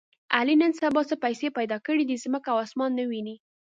علي نن سبا څه پیسې پیدا کړې دي، ځمکه او اسمان نه ویني.